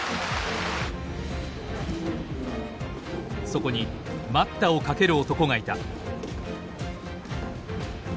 そこに待ったをかける男がいた。